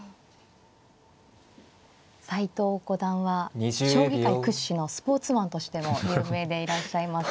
斎藤五段は将棋界屈指のスポーツマンとしても有名でいらっしゃいます。